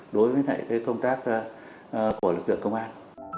đối với công tác của lực lượng công an